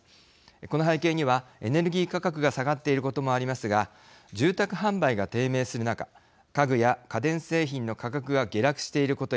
この背景にはエネルギー価格が下がっていることもありますが住宅販売が低迷する中家具や家電製品の価格が下落していること